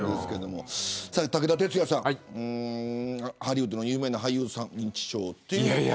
武田鉄矢さん、ハリウッドの有名な俳優さんが認知症です。